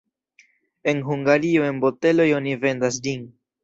En Hungario en boteloj oni vendas ĝin.